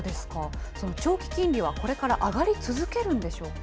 長期金利はこれから上がり続けるんでしょうか。